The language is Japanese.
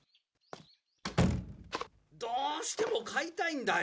どうしても買いたいんだよ。